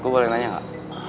gue boleh nanya gak